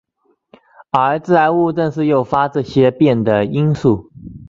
而致癌物正是诱发这些变的因素。